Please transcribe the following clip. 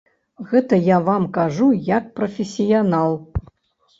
Гэта я вам кажу як прафесіянал.